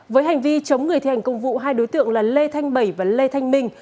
với hành vi chống người thi hành công vụ hai đối tượng là lê thanh bảy và lê thanh minh